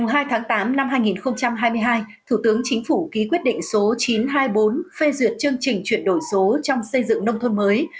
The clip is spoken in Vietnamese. ngày hai tháng tám năm hai nghìn hai mươi hai thủ tướng chính phủ ký quyết định số chín trăm hai mươi bốn phê duyệt chương trình chuyển đổi số trong xây dựng nông thôn mới